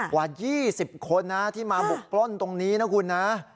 กว่า๒๐คนนะที่มาบุกปล้นตรงนี้นะคุณนะ